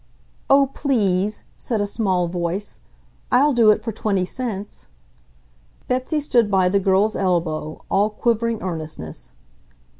"Oh, PLEASE!" said a small voice. "I'll do it for twenty cents." Betsy stood by the girl's elbow, all quivering earnestness.